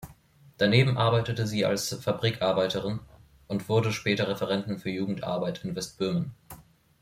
Daneben arbeitete sie als Fabrikarbeiterin und wurde später Referentin für Jugendarbeit in Westböhmen.